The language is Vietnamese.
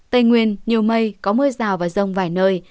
tây nguyên nhiều mây có mưa rào và rông vài nơi